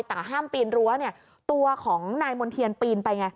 แต่ห้ามปีนรั้วเนี่ยตัวของนายมณ์เทียนปีนไปไง